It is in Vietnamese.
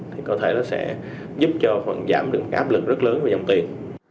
thì có thể nó sẽ giúp cho giảm được cái áp lực rất lớn về dòng tiền